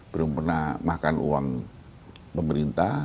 belum pernah makan uang pemerintah